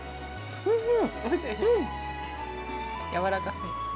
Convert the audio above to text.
おいしい？